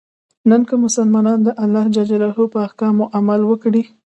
نن که مسلمانان د الله ج په احکامو عمل وکړي.